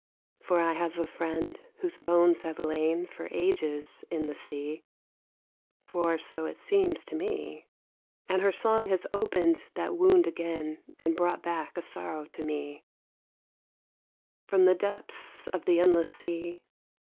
For I have a friend whose bones have lain For ages in the sea, (For so it seems to me), And her song has opened that wound again And brought back a sorrow to me From the depths of the endless sea.